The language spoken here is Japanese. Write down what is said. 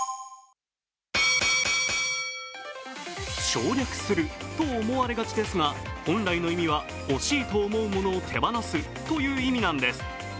「省略する」と思われがちですが本来の意味は惜しいと思うものを手放すという意味なんです。